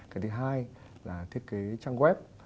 cái thứ hai là thiết kế trang web